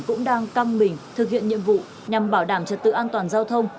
cũng đang căng mình thực hiện nhiệm vụ nhằm bảo đảm trật tự an toàn giao thông